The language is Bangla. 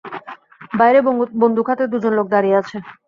বাইরে বন্দুক হাতে দুজন লোক দাঁড়িয়ে আছে।